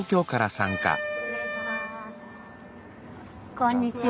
こんにちは。